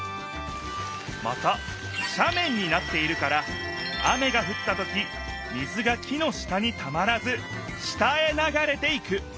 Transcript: またしゃめんになっているから雨がふったとき水が木の下にたまらず下へながれていく。